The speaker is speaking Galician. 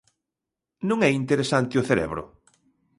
Non é interesante o cerebro?